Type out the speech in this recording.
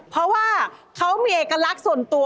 เพราะว่าเขามีเอกลักษณ์ส่วนตัว